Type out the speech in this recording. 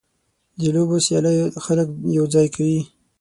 د لوبو سیالۍ خلک یوځای کوي.